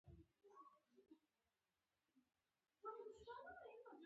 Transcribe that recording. پکورې له کلیو نه راځي